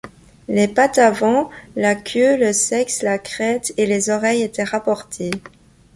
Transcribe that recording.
Les pattes avant, la queue, le sexe, la crête et les oreilles étaient rapportés.